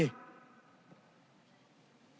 เอาวัคซีนยี่ห้อที่เขาเชื่อมั่นสิ